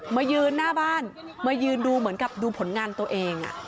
มายืนหน้าบ้านมายืนดูเหมือนกับดูผลงานตัวเอง